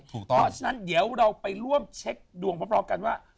เพราะฉะนั้นเดี๋ยวเราไปร่วมเช็คดวงพร้อมกันว่า